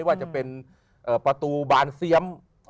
ว่าจะเป็นประตูบานเซียม